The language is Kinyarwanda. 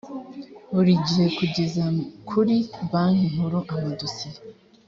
buri gihe kugeza kuri banki nkuru amadosiye